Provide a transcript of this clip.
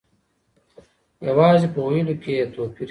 یوازې په ویلو کي یې توپیر کیږي.